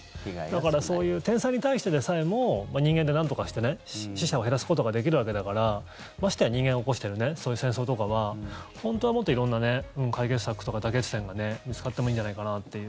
だからそういう天災に対してでさえも人間でなんとかして死者を減らすことができるわけだからましてや人間が起こしているそういう戦争とかは本当はもっと色んな解決策とか妥結線が見つかってもいいんじゃないかなっていう。